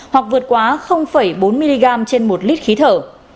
hoặc vượt quá bốn mg trên một lít khí thở